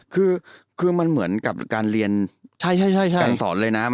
คือมันเหมือนกับการเรียนการสอนเลยนะ